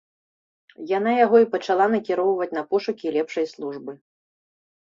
Яна яго і пачала накіроўваць на пошукі лепшай службы.